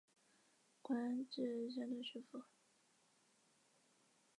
官至山东巡抚。